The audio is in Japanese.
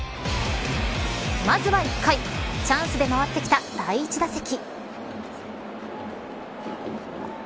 まずは１回チャンスで回ってきた第１打席。